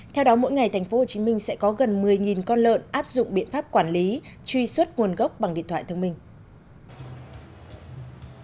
theo đó mỗi ngày tp hcm sẽ có gần một mươi con lợn áp dụng biện pháp quản lý truy xuất nguồn gốc bằng điện thoại thông minh